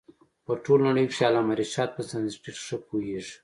په ټوله نړۍ کښي علامه رشاد په سانسکرېټ ښه پوهيږي.